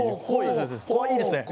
いいですね